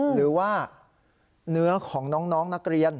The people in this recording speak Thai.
หรือว่าเนื้อของน้องนักเรียน